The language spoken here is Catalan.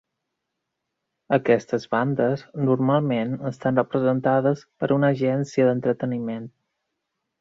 Aquestes bandes normalment estan representades per una agència d'entreteniment.